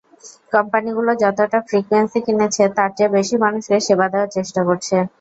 কোম্পানিগুলো যতটা ফ্রিকোয়েন্সি কিনেছে তার চেয়ে বেশি মানুষকে সেবা দেওয়ার চেষ্টা করছে।